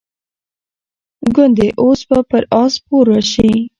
ګوندي اوس به پر آس سپور راشي.